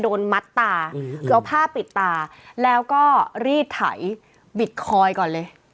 โดนมัดตาคือเอาผ้าปิดตาแล้วก็รีดไถบิดคอยก่อนเลย